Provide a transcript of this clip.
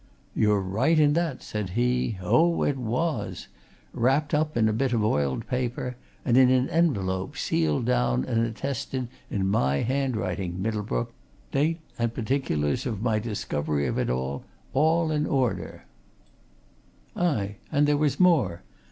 "You're right in that," said he. "Oh, it was! Wrapped up in a bit of oiled paper, and in an envelope, sealed down and attested in my handwriting, Middlebrook date and particulars of my discovery of it, all in order. Aye, and there was more.